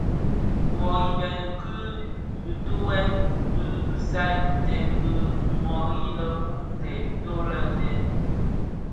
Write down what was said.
Wuo ibëňi ki bitughe dhi bisai bi dèm bi nwari lè bum ntèd ntolè nted.